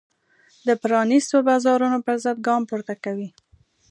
د پرانیستو بازارونو پرضد ګام پورته کوي.